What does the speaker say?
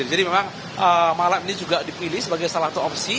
jadi memang malam ini juga dipilih sebagai salah satu opsi